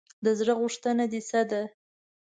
د زړه غوښتنه دې څه ده ؟